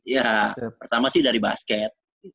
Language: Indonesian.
ya pertama sih dari basket